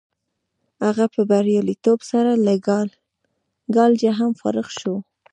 هغه په بریالیتوب سره له کالجه هم فارغ شو